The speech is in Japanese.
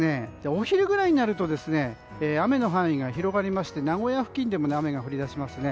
お昼ぐらいになると雨の範囲が広がりまして名古屋付近でも雨が降り出しますね。